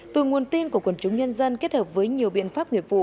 từ nguồn tin của quần chúng nhân dân kết hợp với nhiều biện pháp nghiệp vụ